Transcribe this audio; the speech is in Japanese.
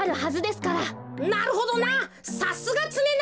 なるほどな！